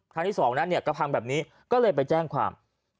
ครั้งที่๒นั้นก็พังแบบนี้ก็เลยไปแจ้งความ